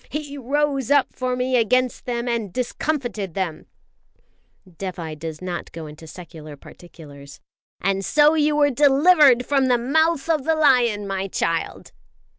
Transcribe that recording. He rose up for me against them and discomfited them" Dévai does not go into secular particulars "and so you were delivered from the mouth of the lion, my child!"